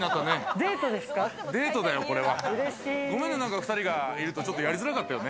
ごめんね、２人がいると、ちょっとやりづらかったよね。